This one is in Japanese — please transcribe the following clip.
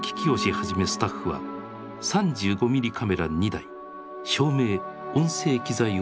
はじめスタッフは３５ミリカメラ２台照明音声機材を運び入れる。